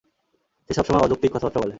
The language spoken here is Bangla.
সে সবসময় অযৌক্তিক কথা-বার্তা বলে।